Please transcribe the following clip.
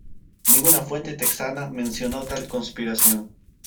Ninguna fuente texana menciona tal conspiración.